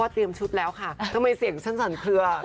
เตรียมชุดแล้วค่ะทำไมเสียงฉันสั่นเคลือ